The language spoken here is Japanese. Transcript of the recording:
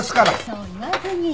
そう言わずに。